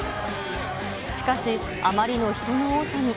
しかし、あまりの人の多さに。